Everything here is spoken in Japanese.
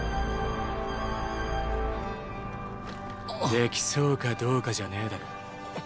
できそうかどうかじゃねぇだろ。